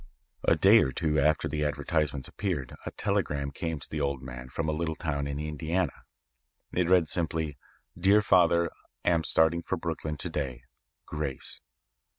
"A day or two after the advertisements appeared a telegram came to the old man from a little town in Indiana. It read simply: 'Dear Father: Am starting for Brooklyn to day. Grace.'